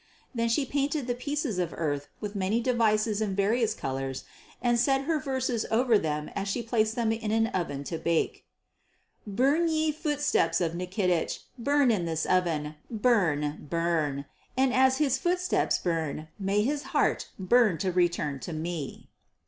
Then she painted the pieces of earth with many devices in various colours and said her verses over them as she placed them in an oven to bake: "Burn ye footsteps of Nikitich, burn in this oven, burn, burn; and as his footsteps burn may his heart burn to return to me."